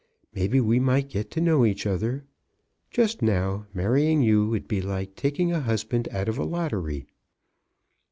Maybe we might get to know each other. Just now, marrying you would be like taking a husband out of a lottery."